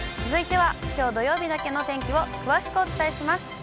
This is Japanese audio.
続いてはきょう土曜日だけの天気を詳しくお伝えします。